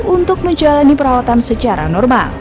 untuk menjalani perawatan secara normal